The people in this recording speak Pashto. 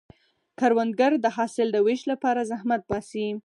کروندګر د حاصل د ویش لپاره زحمت باسي